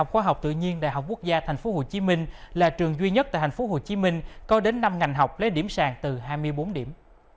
quốc gia tp hcm là trường duy nhất tại tp hcm có đến năm ngành học lấy điểm sàng từ hai mươi bốn điểm